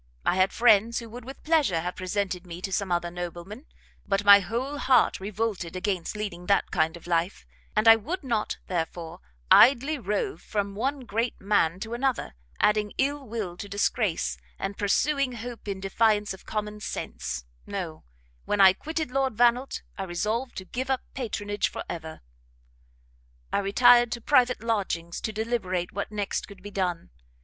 I had friends who would with pleasure have presented me to some other nobleman; but my whole heart revolted against leading that kind of life, and I would not, therefore, idly rove from one great man to another, adding ill will to disgrace, and pursuing hope in defiance of common sense; no; when I quitted Lord Vannelt, I resolved to give up patronage for ever. "I retired to private lodgings to deliberate what next could be done.